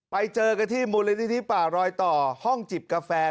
ไปเจอกันที่มูลนิธิป่ารอยต่อห้องจิบกาแฟ